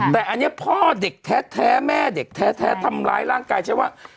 แต่อันนี้พ่อเด็กแท้แม่เด็กแท้ทำร้ายร่างกายใช้ว่า